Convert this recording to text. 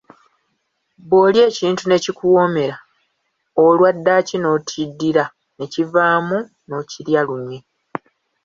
Bw'olya ekintu ne kikuwoomera olwa ddaaki okiddira n’ekivaamu n’okirya lunye.